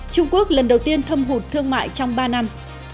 trung quốc lần đầu tiên thâm hụt thương mại trong ba năm